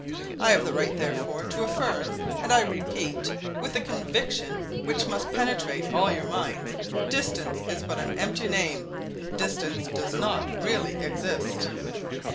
I have the right, therefore, to affirm, and I repeat, with the conviction which must penetrate all your minds, 'Distance is but an empty name; distance does not really exist!